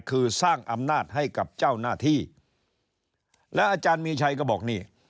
คือสร้างอำนาจให้กับเจ้าหน้าที่แล้วอาจารย์มีชัยก็บอกนี่